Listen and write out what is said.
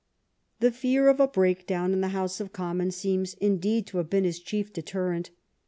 The fear of a breakdown in the House of Commons seems, indeed, to have been his chief deterrent.